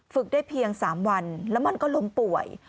ได้เพียง๓วันแล้วมันก็ล้มป่วย